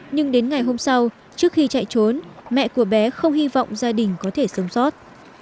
nhưng đến ngày hôm sau trước khi chạy trốn mẹ của bé không hy vọng gia đình có thể sống sót